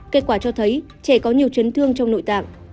kết quả cho thấy trẻ có nhiều chấn thương trong nội tạng